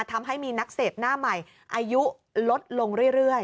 ทำให้มีนักเสพหน้าใหม่อายุลดลงเรื่อย